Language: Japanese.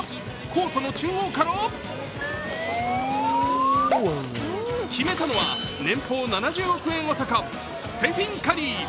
コートの中央から決めたのは、年俸７０億円男、ステフィン・カリー。